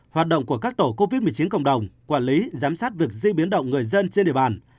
hoạt động của các tổ covid một mươi chín cộng đồng quản lý giám sát việc di biến động người dân trên địa bàn